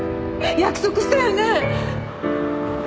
約束したよね！？